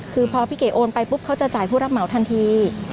คือพอพี่เก๋โอนไปปุ๊บเขาจะจ่ายผู้รับเหมาทันที